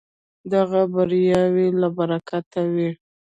دغه بریاوې له برکته وې.